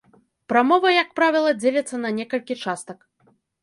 Прамова, як правіла, дзеліцца на некалькі частак.